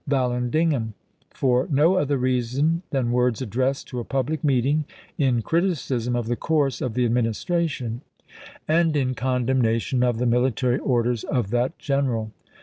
Vallandigham, for no other reason than words addressed to a public meeting in criticism of the course of the Admin istration, and in condemnation of the military orders of that general."